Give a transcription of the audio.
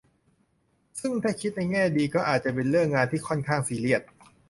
ซึ่งถ้าคิดในแง่ดีก็อาจจะเป็นเรื่องงานที่ค่อนข้างซีเรียส